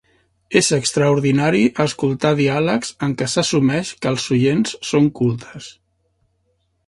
És extraordinari escoltar diàlegs en què s'assumeix que els oients són cultes.